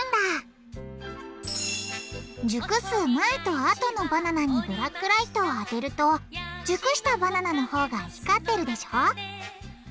熟す前とあとのバナナにブラックライトを当てると熟したバナナのほうが光ってるでしょ